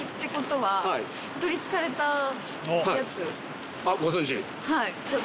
はい。